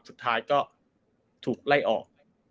สุดท้ายก็ถูกไล่ออก